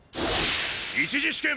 １次試験